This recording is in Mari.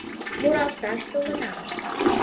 Муралталаш толынам